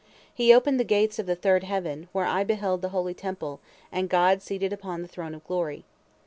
He opened the gates of the third heaven, where I beheld the holy Temple, and God seated upon the Throne of Glory.